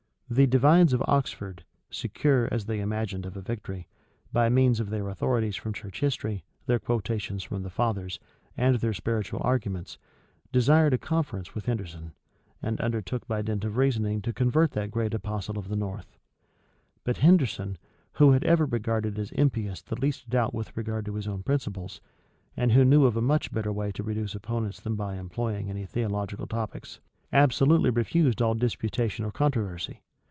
The divines of Oxford, secure, as they imagined, of a victory, by means of their authorities from church history, their quotations from the fathers, and their spiritual arguments, desired a conference with Henderson, and undertook by dint of reasoning to convert that great apostle of the north: but Henderson, who had ever regarded as impious the least doubt with regard to his own principles, and who knew of a much better way to reduce opponents than by employing any theological topics, absolutely refused all disputation or controversy.